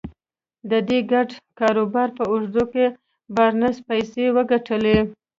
د دغه ګډ کاروبار په اوږدو کې بارنس پيسې وګټلې.